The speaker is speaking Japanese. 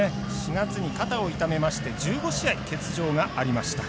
４月に肩を痛めて１５試合欠場がありました。